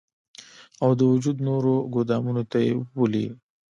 او د وجود نورو ګودامونو ته ئې ولي